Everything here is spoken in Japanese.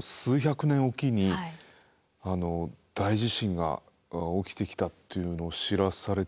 数百年おきに大地震が起きてきたっていうのを知らされてですね